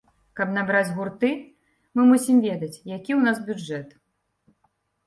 Каб набраць гурты, мы мусім ведаць, які ў нас бюджэт.